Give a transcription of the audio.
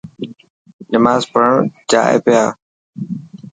نماز پڙهڻ جائي پيا.